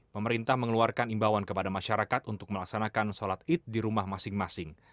pemerintah mengeluarkan imbauan kepada masyarakat untuk melaksanakan sholat id di rumah masing masing